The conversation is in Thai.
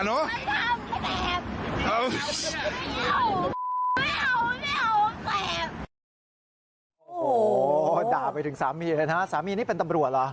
โอ้โหด่าไปถึงสามีเลยนะสามีนี่เป็นตำรวจเหรอ